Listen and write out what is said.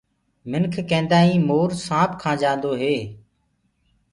منک ڪيدآئين مور سآنپ کآ جآندوئي